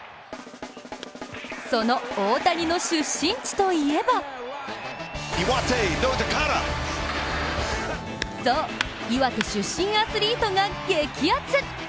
その大谷の出身地といえばそう、岩手出身アスリートが激アツ。